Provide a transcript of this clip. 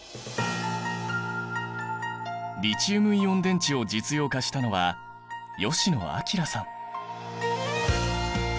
リチウムイオン電池を実用化したのは吉野彰さん。